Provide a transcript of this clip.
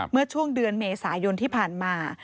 เมื่อช่วงเดือนเมษายนที่ผ่านมา